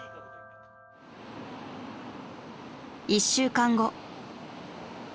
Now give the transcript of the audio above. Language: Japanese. ［１週間後］